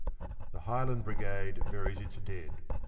_THE HIGHLAND BRIGADE BURIES ITS DEAD.